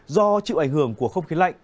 do chịu ảnh hưởng của không khí lạnh